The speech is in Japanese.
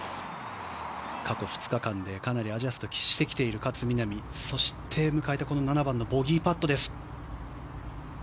過去２日間でかなりアジャストしてきている勝みなみ、そして、迎えた７番のボギーパットです。